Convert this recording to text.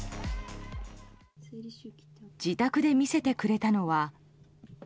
自宅で見せてくれたのは。